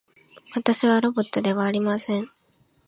私はロボットではありません。